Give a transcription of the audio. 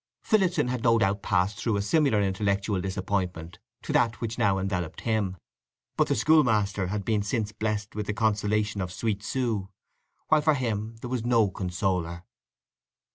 Phillotson had no doubt passed through a similar intellectual disappointment to that which now enveloped him. But the schoolmaster had been since blest with the consolation of sweet Sue, while for him there was no consoler.